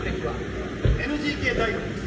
あっＮＧＫ大学です。